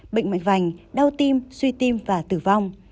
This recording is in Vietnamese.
bệnh mạch vành đau tim suy tim và tử vong